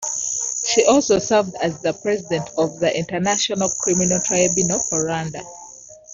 She also served as the president of the International Criminal Tribunal for Rwanda.